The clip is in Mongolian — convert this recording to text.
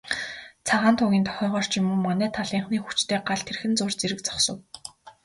Цагаан тугийн дохиогоор ч юм уу, манай талынхны хүчтэй гал тэрхэн зуур зэрэг зогсов.